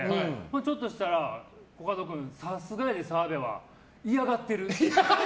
ちょっとしたらコカド君流石やで、澤部は嫌がってるって。